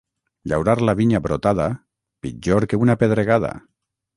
Llaurar la vinya brotada, pitjor que una pedregada.